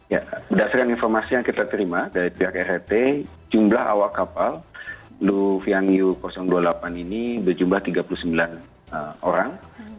ya berdasarkan informasi yang kita terima dari pihak rht jumlah awak kapal luvianyu dua puluh delapan ini berjumlah tiga puluh sembilan orang